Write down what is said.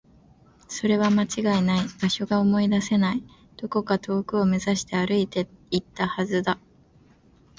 それは間違いない。場所が思い出せない。どこか遠くを目指して歩いていったはずだ。